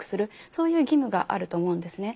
そういう義務があると思うんですね。